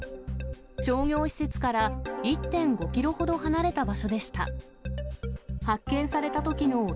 商業施設から１．５キロほど離れた場所でした。